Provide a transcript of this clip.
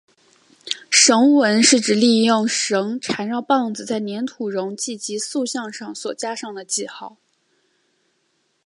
绳文是指利用绳缠绕棒子在黏土容器及塑像上所加上的记号。